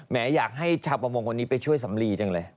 อยากให้ชาวประมงคนนี้ไปช่วยสำลีจังเลย